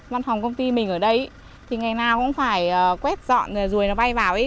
văn phòng công ty mình ở đây thì ngày nào cũng phải quét dọn rùi nó bay vào ý